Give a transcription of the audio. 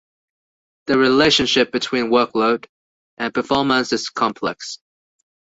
The relationship between workload and performance is complex.